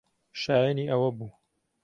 شایەنی ئەوە بوو.